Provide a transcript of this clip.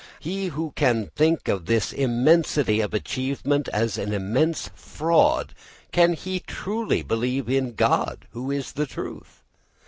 He who can think of this immensity of achievement as an immense fraud, can he truly believe in God who is the truth?